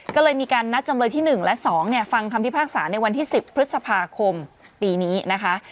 ก็เลยมีการนัดจำเลยที่๑และ๒ฟังคำพิพากษาในวันที่๑๐พฤษภาคมปีนี้นะคะ